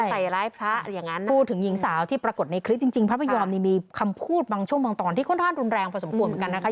ใส่ร้ายพระอย่างนั้นพูดถึงหญิงสาวที่ปรากฏในคลิปจริงพระพยอมนี่มีคำพูดบางช่วงบางตอนที่ค่อนข้างรุนแรงพอสมควรเหมือนกันนะคะ